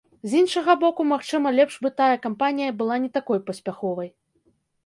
З іншага боку, магчыма, лепш бы тая кампанія была не такой паспяховай.